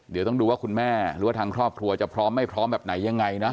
เดี๋ยวต้องดูว่าคุณแม่หรือว่าทางครอบครัวจะพร้อมไม่พร้อมแบบไหนยังไงนะ